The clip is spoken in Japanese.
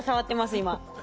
今。